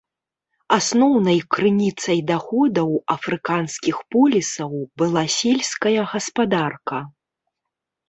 Асноўнай крыніцай даходаў афрыканскіх полісаў была сельская гаспадарка.